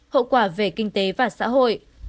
hậu quả về kinh tế và xã hội